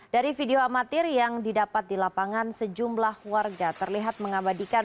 dari video amatir yang didapat di lapangan sejumlah warga terlihat mengabadikan